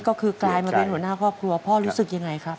ก็คือกลายมาเป็นหัวหน้าครอบครัวพ่อรู้สึกยังไงครับ